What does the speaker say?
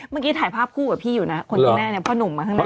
เมื่อกี้ถ่ายภาพคู่กับพี่อยู่นะคนที่แน่นอนพ่อนุ่มมาข้างแน่